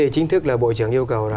chính thức là bộ trưởng yêu cầu